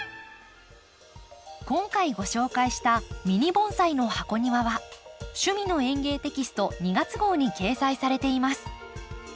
今回ご紹介した「ミニ盆栽の箱庭」は「趣味の園芸」テキスト２月号に掲載されています。